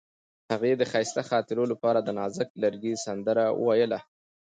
هغې د ښایسته خاطرو لپاره د نازک لرګی سندره ویله.